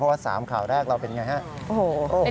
เพราะสามข่าวแรกเป็นอย่างไรนะครับ